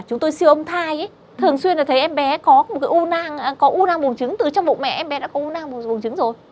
chúng tôi siêu ông thai ý thường xuyên là thấy em bé có một cái u năng có u năng buồn trứng từ trong bụng mẹ em bé đã có u năng buồn trứng rồi